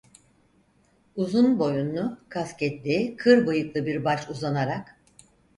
Uzun boyunlu, kasketli, kır bıyıklı bir baş uzanarak: